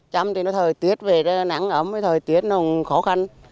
chăm thì nó thời tiết về nắng ấm thời tiết nó khó khăn